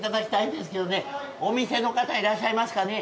お店の方いらっしゃいますかね？